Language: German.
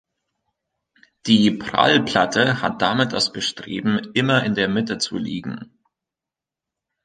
Die Prallplatte hat damit das Bestreben, immer in der Mitte zu liegen.